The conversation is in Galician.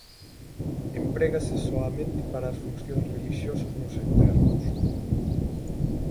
Emprégase soamente para as funcións relixiosas nos enterros.